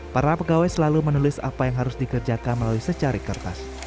para pegawai selalu menulis apa yang harus dikerjakan melalui secari kertas